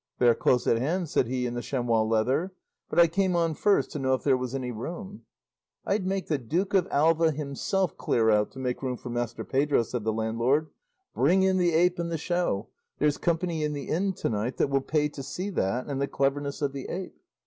"They are close at hand," said he in the chamois leather, "but I came on first to know if there was any room." "I'd make the Duke of Alva himself clear out to make room for Master Pedro," said the landlord; "bring in the ape and the show; there's company in the inn to night that will pay to see that and the cleverness of the ape."